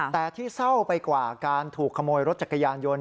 แต่ที่เศร้าไปกว่าการถูกขโมยรถจักรยานยนต์